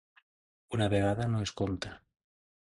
Una vegada no es compta.